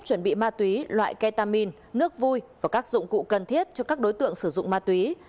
chuẩn bị ma túy loại ketamin nước vui và các dụng cụ cần thiết cho các đối tượng sử dụng ma túy